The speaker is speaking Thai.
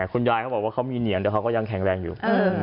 ๗๔คุณยายเขาบอกว่าเขามีเหนียงเดี๋ยวเขาก็ยังแข็งแรงอยู่